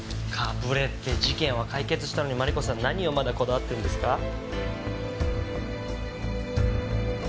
かぶれって事件は解決したのにマリコさん何をまだこだわってるんですか？